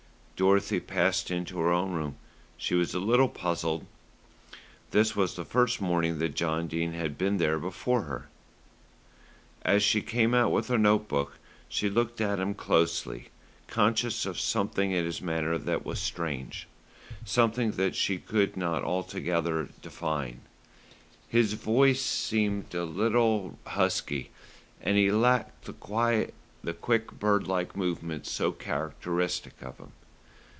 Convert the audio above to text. Dorothy passed into her own room. She was a little puzzled. This was the first morning that John Dene had been there before her. As she came out with her note book she looked at him closely, conscious of something in his manner that was strange, something she could not altogether define. His voice seemed a little husky, and he lacked the quick bird like movements so characteristic of him.